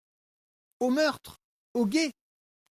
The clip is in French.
Au meurtre !… au guet !